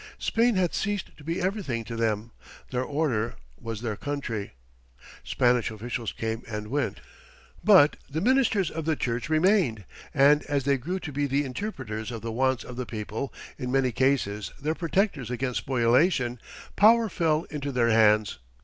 Spain had ceased to be everything to them; their order was their country. Spanish officials came and went, but the ministers of the Church remained, and as they grew to be the interpreters of the wants of the people, in many cases their protectors against spoliation, power fell into their hands.